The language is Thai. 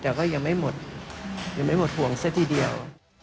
แต่ก็ยังไม่หมดห่วงเส้นทีเดียว